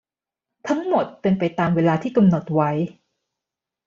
ทั้งหมดเป็นไปตามเวลาที่กำหดนไว้